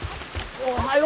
あおはよう。